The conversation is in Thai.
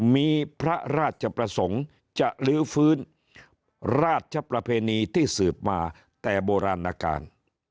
มีพระราชประสงค์จะลื้อฟื้นราชประเพณีที่สืบมาแต่โบราณการ